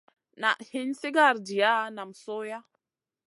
Na hin sigara jiya nam sohya.